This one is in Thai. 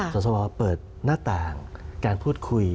สวเปิดหน้าต่างการพูดคุย